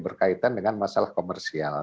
berkaitan dengan masalah komersial